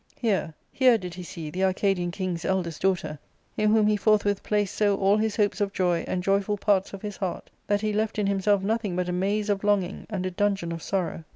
Here, her/did he see the Arcadian king's eldest daughter, in whom he forthwith placed so all his hopes of joy, and joyful parts of his heart, that he left in himself nothing but a maze of longing, and a dungeon of sorrow.